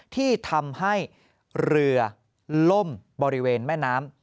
ที่ทำให้เรือล่มบริเวณแม่น้ำ